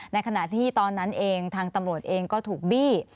ในขณะที่ตอนนั้นเองทางตำรวจเองก็ถูกบี้